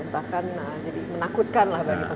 bahkan nah jadi menakutkan lah bagi pengusaha